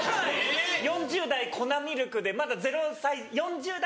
４０代粉ミルクでまだ０歳４０代の。